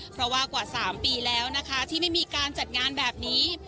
เพราะว่ากว่า๓ปีแล้วนะคะที่ไม่มีการจัดงานแบบนี้